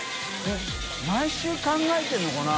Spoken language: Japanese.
┐毎週考えてるのかな？